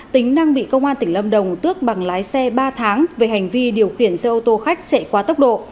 tính đang bị công an tỉnh lâm đồng tước bằng lái xe ba tháng về hành vi điều khiển xe ô tô khách chạy qua tốc độ